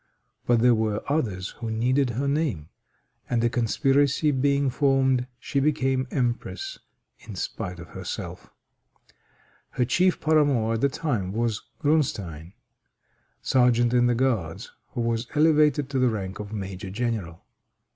But there were others who needed her name, and a conspiracy being formed, she became empress in spite of herself. Her chief paramour at the time was Grunstein, sergeant in the guards, who was elevated to the rank of major general.